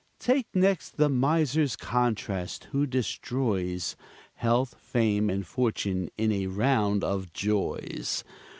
Take next the miser's contrast, who destroys Health, fame and fortune in a round of joys.